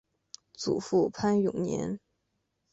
祖父潘永年。